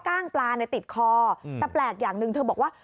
กล้างปลาติดคอแต่แปลกอย่างนึงเธอบอกว่า